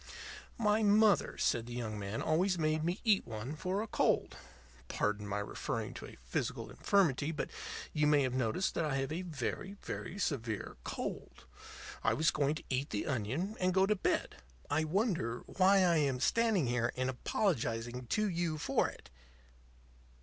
"My mother," said the young man, "always made me eat one for a cold. Pardon my referring to a physical infirmity; but you may have noticed that I have a very, very severe cold. I was going to eat the onion and go to bed. I wonder why I am standing here and apologizing to you for it."